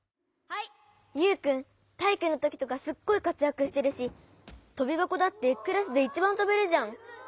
ユウくんたいいくのときとかすっごいかつやくしてるしとびばこだってクラスでいちばんとべるじゃん。